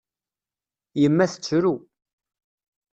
Yemma tettru.